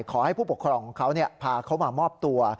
ขอให้ผู้ปกครองของเขาพาเขามามอบตัว